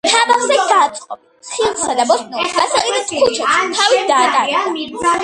თაბახზე გაწყობილ ხილსა და ბოსტნეულს გასაყიდად ქუჩებში თავით დაატარებდა.